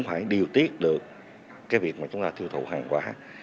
phải điều tiết được cái việc mà chúng ta tiêu thụ hàng quả